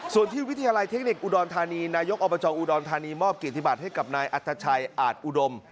ส่วนที่วิทยาลัยเทคนิคอุดรธานีนายกอบจอุดรธานีมอบเกียรติบัติให้กับนายอัตชัยอาจอุดม